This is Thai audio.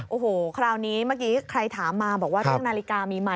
โอ้โหคราวนี้เมื่อกี้ใครถามมาบอกว่าเรื่องนาฬิกามีไหม